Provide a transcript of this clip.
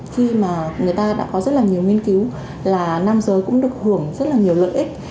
khi mà người ta đã có rất là nhiều nghiên cứu là nam giới cũng được hưởng rất là nhiều lợi ích